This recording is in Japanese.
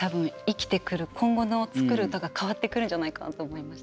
今後の作る歌が変わってくるんじゃないかなと思いました。